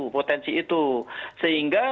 potensi itu sehingga